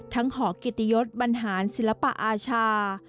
หอกิตยศบรรหารศิลปอาชา